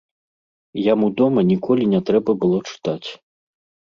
Яму дома ніколі не трэба было чытаць.